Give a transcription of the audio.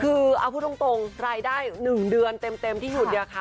คือเอาพูดตรงรายได้๑เดือนเต็มที่อยู่เนี่ยค่ะ